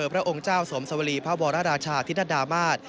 พระองค์เจ้าสมสวรีพระวรราชาธินดามาศ